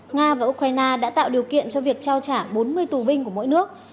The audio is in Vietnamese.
nga và ukraine đã tạo điều kiện cho việc trao trả bốn mươi tù binh của mỗi nước